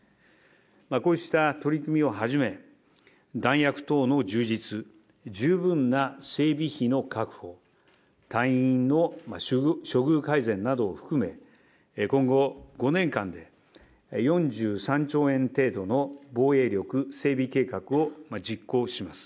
こうした取り組みをはじめ、弾薬等の充実、十分な整備費の確保、隊員の処遇改善などを含め、今後５年間で４３兆円程度の防衛力整備計画を実行します。